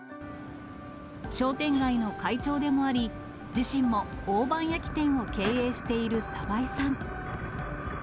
商店街の会長でもあり、自身も大判焼き店を経営している澤井さん。